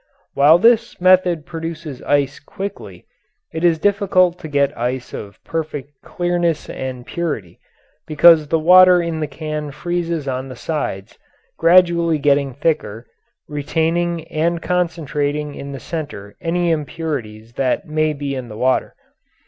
While this method produces ice quickly, it is difficult to get ice of perfect clearness and purity, because the water in the can freezes on the sides, gradually getting thicker, retaining and concentrating in the centre any impurities that may be in the water.